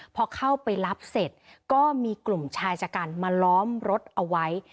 พอเข้าไปรับเสร็จก็มีกลุ่มชายชะกันมาล้อมรถเอาไว้